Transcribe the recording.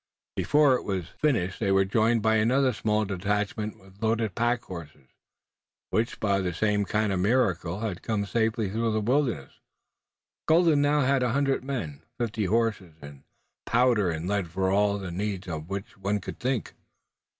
Before it was finished they were joined by another small detachment with loaded pack horses, which by the same kind of miracle had come safely through the wilderness. Colden now had a hundred men, fifty horses and powder and lead for all the needs of which one could think.